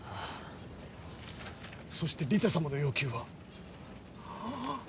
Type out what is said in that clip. そしてリタ様の要求はああっ！